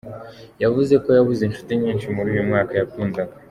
Yavuze ko yabuze inshuti nyinshi muri uyu mwaka yakundaga.